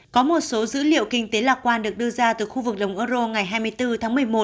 có một số dữ liệu kinh tế lạc quan được đưa ra từ khu vực đồng euro ngày hai mươi bốn tháng một mươi một